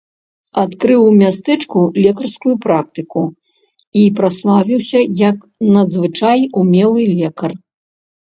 Адкрыў у мястэчку лекарскую практыку і праславіўся як надзвычай умелы лекар.